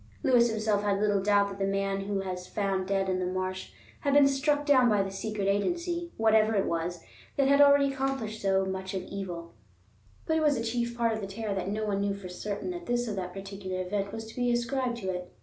Lewis himself had little doubt that the man who was found dead in the marsh had been struck down by the secret agency, whatever it was, that had already accomplished so much of evil; but it was a chief part of the terror that no one knew for certain that this or that particular event was to be ascribed to it.